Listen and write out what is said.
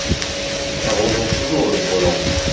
Arrosons toujours le brelan !